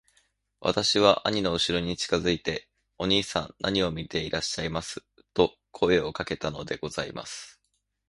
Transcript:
私は兄のうしろに近づいて『兄さん何を見ていらっしゃいます』と声をかけたのでございます。